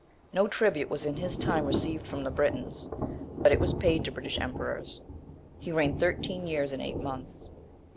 No tribute was in his time received from the Britons; but it was paid to British emperors. He reigned thirteen years and eight months.